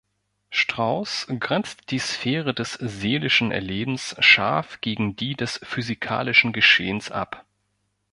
Straus grenzt die Sphäre des seelischen Erlebens scharf gegen die des physikalischen Geschehens ab.